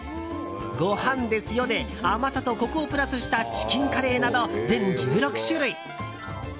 ごはんですよ！で甘さとコクをプラスしたチキンカレーなど全１６種類。